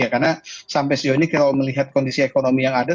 karena sampai sekarang ini kita melihat kondisi ekonomi yang ada